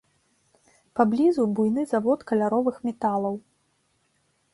Паблізу буйны завод каляровых металаў.